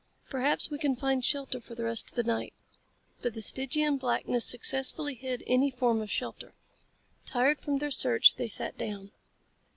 Perhaps we can find shelter for the rest of the night." But the Stygian blackness successfully hid any form of shelter. Tired from their search they sat down.